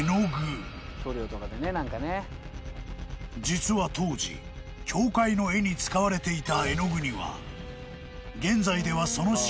［実は当時教会の絵に使われていた絵の具には］